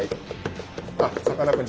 あっさかなクン